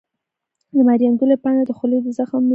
د مریم ګلي پاڼې د خولې د زخم لپاره وکاروئ